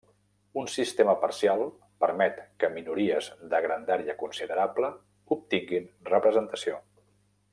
Un sistema parcial permet que minories de grandària considerable obtinguin representació.